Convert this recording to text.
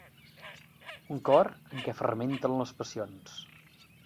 Un cor en què fermenten les passions.